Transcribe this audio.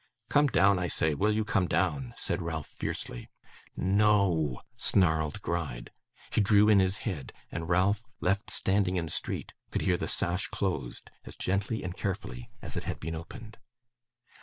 'Come down, I say. Will you come down?' said Ralph fiercely. 'No o o oo,' snarled Gride. He drew in his head; and Ralph, left standing in the street, could hear the sash closed, as gently and carefully as it had been opened.